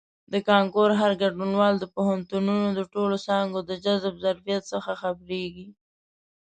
د کانکور هر ګډونوال د پوهنتونونو د ټولو څانګو د جذب ظرفیت څخه خبریږي.